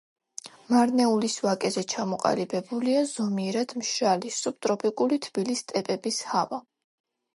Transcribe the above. მარნეულის ვაკეზე ჩამოყალიბებულია ზომიერად მშრალი სუბტროპიკული თბილი სტეპების ჰავა.